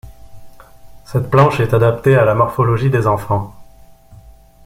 Cette planche est adaptée à la morphologie des enfants.